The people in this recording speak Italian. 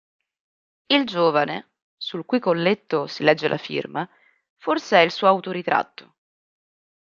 Il giovane, sul cui colletto si legge la firma, forse è il suo autoritratto.